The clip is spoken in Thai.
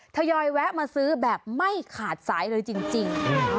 ทยอยแวะมาซื้อแบบไม่ขาดสายเลยจริง